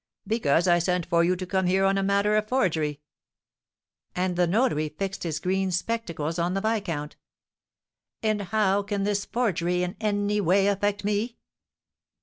"Because I sent for you to come here on a matter of forgery." And the notary fixed his green spectacles on the viscount. "And how can this forgery in any way affect me?"